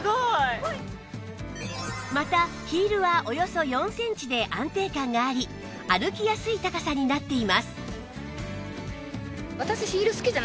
またヒールはおよそ４センチで安定感があり歩きやすい高さになっています